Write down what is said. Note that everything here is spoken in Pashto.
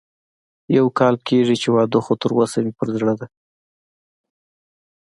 يو کال کېږي چې واده خو تر اوسه مې په زړه ده